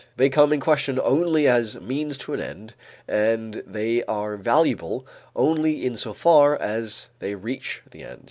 They come in question only as means to an end and they are valuable only in so far as they reach the end.